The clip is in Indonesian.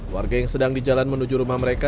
warga yang sedang di jalan menuju rumah mereka